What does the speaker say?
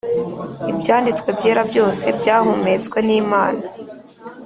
Ibyanditswe byera byose byahumetswe n Imana